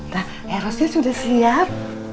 nah erosnya sudah siap